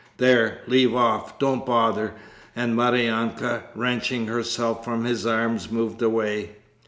'There, leave off! Don't bother,' and Maryanka, wrenching herself from his arms, moved away.